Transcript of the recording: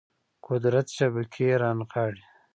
قدرت شبکې رانغاړي